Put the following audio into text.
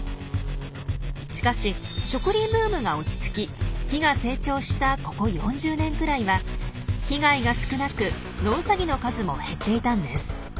しかし植林ブームが落ち着き木が成長したここ４０年くらいは被害が少なくノウサギの数も減っていたんです。